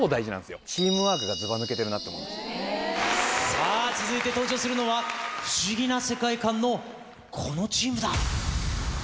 さぁ続いて登場するのは不思議な世界観のこのチームだ。